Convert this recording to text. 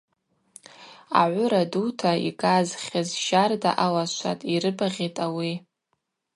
Агӏвыра дута йгаз хьыз щарда алашватӏ, йрыбагъьитӏ ауи.